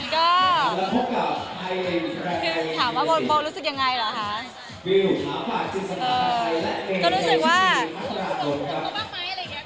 ก็รู้สึกว่า